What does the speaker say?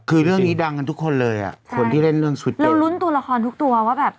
คือเรื่องนี้ดังกันทุกคนเลยอ่ะคนที่เล่นเรื่องชุดนี้เราลุ้นตัวละครทุกตัวว่าแบบ